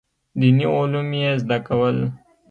دیني علوم یې زده کول.